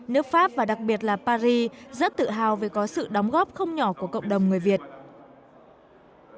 nước pháp và đặc biệt là paris rất tự hào về có sự đóng góp không nhỏ của cộng đồng người việt